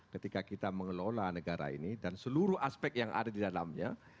ketika kita mengelola negara ini dan seluruh aspek yang ada di dalamnya